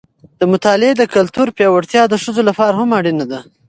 د مطالعې د کلتور پیاوړتیا د ښځو لپاره هم اړینه ده.